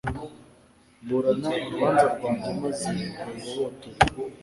Burana urubanza rwanjye maze ungobotore